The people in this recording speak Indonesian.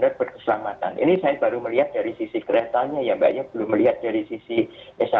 ini saya baru melihat dari sisi keretanya ya banyak belum melihat dari sisi misalnya aksesibilitas dan konektivitas di stasiun